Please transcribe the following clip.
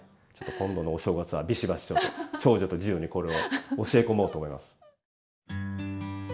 今度のお正月はビシバシと長女と次女にこれを教え込もうと思います。